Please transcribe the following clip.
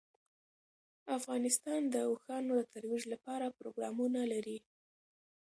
افغانستان د اوښانو د ترویج لپاره پروګرامونه لري.